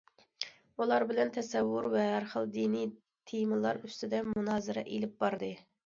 ئۇلار بىلەن تەسەۋۋۇپ ۋە ھەر خىل دىنىي تېمىلار ئۈستىدە مۇنازىرە ئېلىپ باردى.